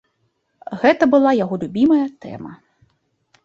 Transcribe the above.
Гэта была яго любімая тэма.